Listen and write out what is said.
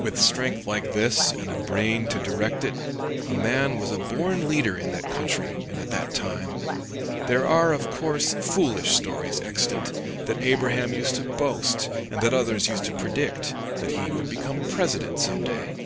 With strength like this and a brain to direct it, a man was a born leader in that country and at that time. There are, of course, foolish stories extant that Abraham used to boast, and that others used to predict, that he would be President some day.